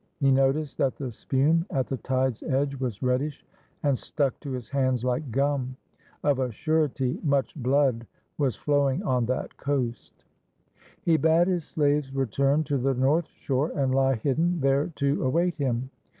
He noticed that the spume at the tide's edge was reddish and stuck to his hands like gum. Of a surety, much blood was flowing on that coast. He bade his slaves return to the north shore and lie hidden there to await him.